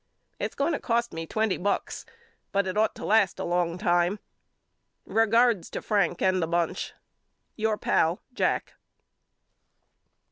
It's going to cost me twenty bucks but it ought to last a long time. Regards to Frank and the bunch. Your Pal, JACK.